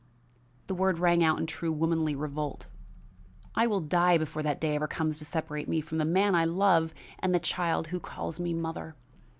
The word rang out in true womanly revolt. "I will die before that day ever comes to separate me from the man I love and the child who calls me mother.